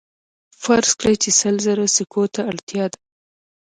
فرض کړئ چې سل زره سکو ته اړتیا ده